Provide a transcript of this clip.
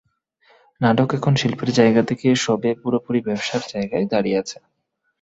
নাটক এখন শিল্পের জায়গা থেকে সরে পুরোপুরি ব্যবসার জায়গায় দাঁড়িয়ে আছে।